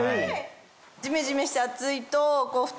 ジメジメして暑いと布団。